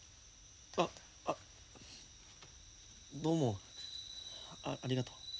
あどうもありがとう。